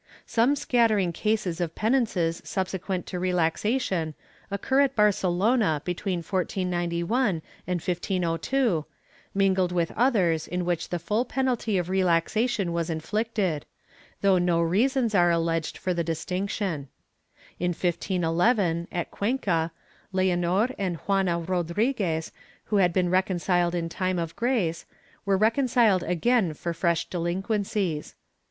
^ Some scattering cases of penances subsequent to reconciliation occur at Barcelona between 1491 and 1502, mingled with others in which the full penalty of relaxation was inflicted, though no reasons are alleged for the distinction,' In 1511, at Cuenca, Leonor and Juana Rodriguez who had been reconciled in time of Grace, were reconciled again for fresh delinquencies.